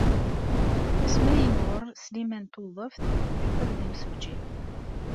Asmi ay yimɣur Sliman n Tuḍeft, yeqqel d imsujji.